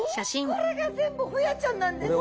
これが全部ホヤちゃんなんですか。